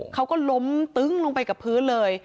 เขาก็ล้มตึ้งลงไปกับพื้นเลย